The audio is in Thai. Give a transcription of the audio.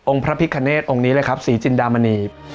พระพิคเนตองค์นี้เลยครับศรีจินดามณี